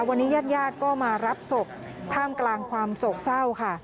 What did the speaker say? วันนี้ญาติญาติก็มารับศพท่ามกลางความโศกเศร้าค่ะ